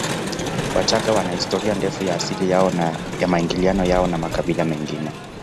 Wachagga wana historia ndefu ya asili yao na ya maingiliano yao na makabila mengine